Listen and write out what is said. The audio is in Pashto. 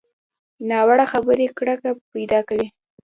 ناوړه خبرې کرکه پیدا کوي